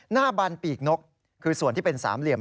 บันปีกนกคือส่วนที่เป็นสามเหลี่ยม